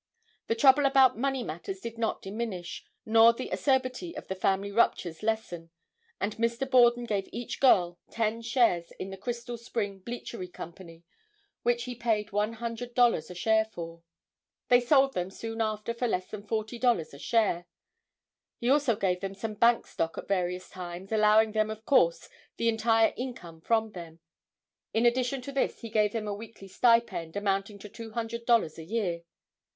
The trouble about money matters did not diminish, nor the acerbity of the family ruptures lessen, and Mr. Borden gave each girl ten shares in the Crystal Spring Bleachery Company, which he paid $100 a share for. They sold them soon after for less than $40 a share. He also gave them some bank stock at various times, allowing them of course, the entire income from them. In addition to this he gave them a weekly stipend, amounting to $200 a year.